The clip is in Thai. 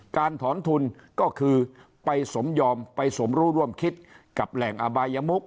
การถอนทุนก็คือไปสมยอมไปสมรู้ร่วมคิดกับแหล่งอบายมุก